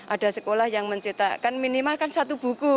ada sekolah yang mencetakkan minimal kan satu buku